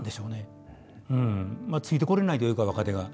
ついてこれないというか若手が。